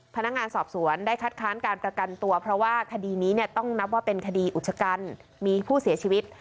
พนักงานสอบสวนได้คัดค้านการประกันตัวเพราะว่าคดีนี้เนี่ยต้องนับว่าเป็นคดีอุชกันมีผู้เสียชีวิต